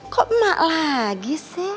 kok mak lagi